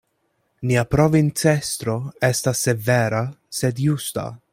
Nia provincestro estas severa, sed justa.